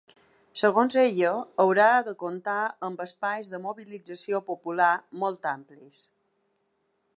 Segons ella, haurà de comptar amb espais de mobilització popular ‘molt amplis’.